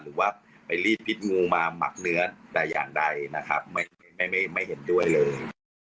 หรือว่าไปรีดพิษงูมาหมักเนื้อแต่อย่างใดนะครับไม่เห็นด้วยเลย